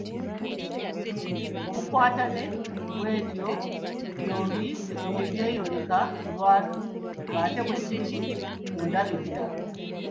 Obukwatane bw’ebyo byombi tebweyoleka lwatu ng’ate bwe kiri ku ndabirira.